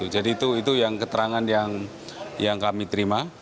jadi itu keterangan yang kami terima